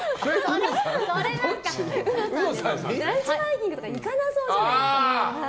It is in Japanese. ランチバイキングとか行かなそうじゃないですか。